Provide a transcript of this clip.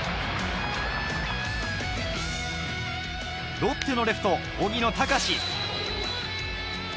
ロッテのレフト・荻野貴司。